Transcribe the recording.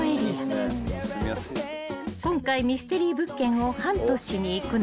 ［今回ミステリー物件をハントしに行くのは］